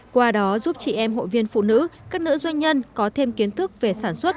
qua đó giúp chị em hội viên phụ nữ các nữ doanh nhân có thêm kiến thức về sản xuất